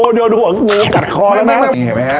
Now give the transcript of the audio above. โอ้เดี๋ยวดูของกูกัดคอแล้วนะไม่ไม่ไม่นี่เห็นไหมฮะ